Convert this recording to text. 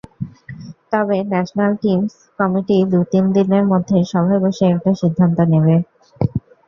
তবে national teams committee দু-তিন দিনের মধ্যে সভায় বসে একটা সিদ্ধান্ত নেবে।